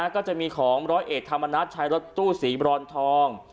ก็จะมีของร้อยเอกธรรมนัฐใช้รถตู้สีบรอนทอง